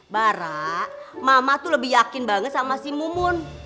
bara mama tuh lebih yakin banget sama si mumun